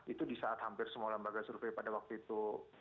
itu di saat hampir semua lembaga survei pada waktu itu